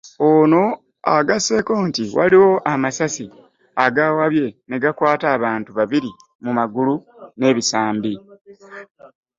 Ono agasseeko nti waliwo amasasi agaawabye ne gakwata abantu ababiri mu magulu n'ebisambi